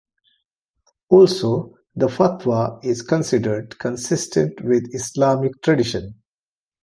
Also, the fatwa is considered consistent with Islamic tradition.